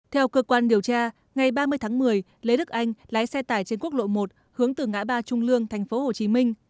theo cơ quan điều tra ngày ba mươi tháng một mươi lê đức anh lái xe tải trên quốc lộ một hướng từ ngã ba trung lương thành phố hồ chí minh